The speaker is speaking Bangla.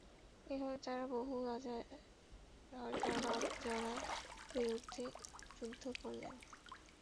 এভাবে তারা বহু রাজরাজড়ার বিরুদ্ধে যুদ্ধ করলেন।